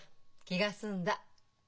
気が済んだ。